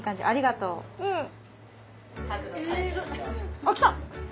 あっ来た！